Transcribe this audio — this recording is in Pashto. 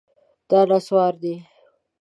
دا نسواري ده